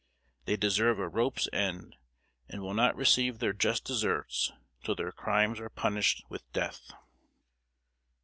They deserve a rope's end, and will not receive their just deserts till their crimes are punished with death."